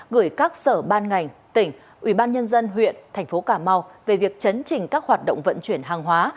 gửi các sở ban ngành tỉnh ubnd huyện thành phố cà mau về việc chấn trình các hoạt động vận chuyển hàng hóa